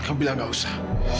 kamila gak usah